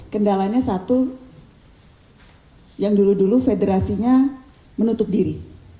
kendalanya satu yang dulu dulu federasinya menutup diri